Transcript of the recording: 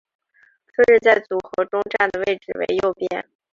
春日在组合中站的位置为右边。